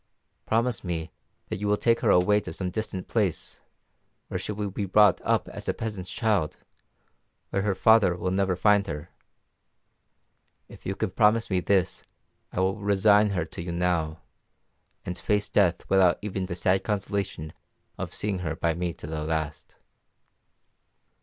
Promise me that you will take her away to some distant place, where she will be brought up as a peasant's child, and where her father will never find her. If you can promise me this, I will resign her to you now, and face death without even the sad consolation of seeing her by me to the last.'